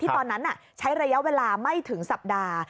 ตอนนั้นใช้ระยะเวลาไม่ถึงสัปดาห์